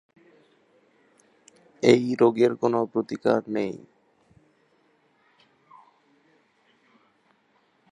এই রোগের কোনো প্রতিকার নেই।